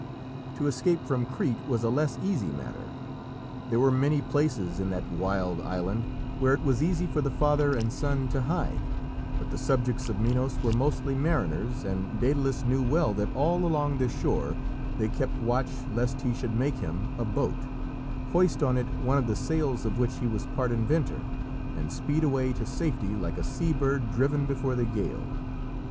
To escape from Crete was a less easy matter. There were many places in that wild island where it was easy for the father and son to hide, but the subjects of Minos were mostly mariners, and Dædalus knew well that all along the shore they kept watch lest he should make him a boat, hoist on it one of the sails of which he was part inventor, and speed away to safety like a sea bird driven before the gale.